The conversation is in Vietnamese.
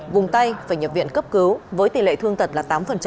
vùng tay phải nhập viện cấp cứu với tỷ lệ thương tật là tám